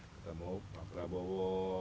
kita mau pak prabowo